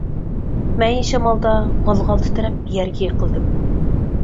مەيىن شامالدا غال-غال تىترەپ يەرگە يىقىلدىم.